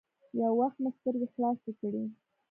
يو وخت مې سترګې خلاصې کړې.